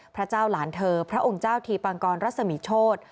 พระเจ้าหลานเธอพระองค์เจ้าทีปังกรรัศมีโชธ